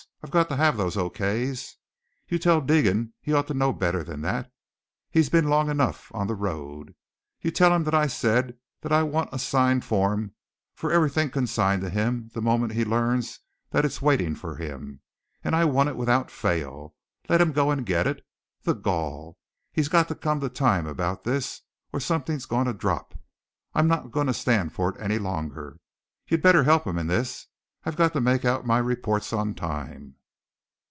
I've got to have those O. K.'s. You tell Deegan he ought to know better than that; he's been long enough on the road. You tell him that I said that I want a signed form for everything consigned to him the moment he learns that it's waiting for him. And I want it without fail. Let him go and get it. The gall! He's got to come to time about this, or something's going to drop. I'm not going to stand it any longer. You'd better help him in this. I've got to make out my reports on time."